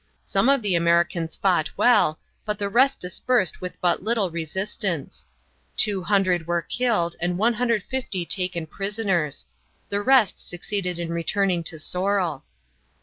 Some of the Americans fought well, but the rest dispersed with but little resistance. Two hundred were killed and 150 taken prisoners. The rest succeeded in returning to Sorrel.